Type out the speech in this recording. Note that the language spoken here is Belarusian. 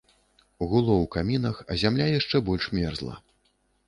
Гуло ў камінах, а зямля яшчэ больш мерзла.